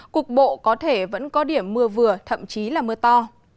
cục bộ có thể vẫn có điểm mưa vừa thậm chí là mưa to